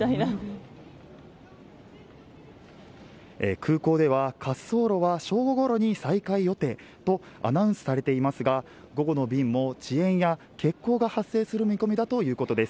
空港では滑走路は正午ごろに再開予定とアナウンスされていますが午後の便も、遅延や欠航が発生する見込みだということです。